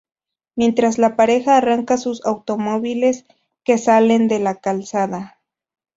Mientras la pareja arrancan sus automóviles que salen de la calzada.